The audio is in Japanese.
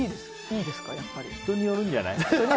人によるんじゃない？